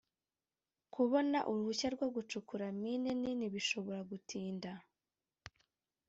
kubona uruhushya rwo gucukura mine nini bishobora gutinda